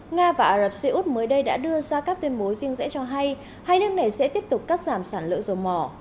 nga và ả rập xê út mới đây đã đưa ra các tuyên bố riêng rẽ cho hay hai nước này sẽ tiếp tục cắt giảm sản lượng dầu mỏ